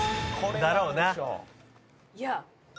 「だろうな」